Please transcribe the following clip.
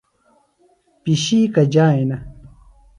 پِشیکہ جیانہ۔